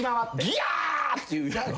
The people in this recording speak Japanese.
ギャー！！っていうやろ。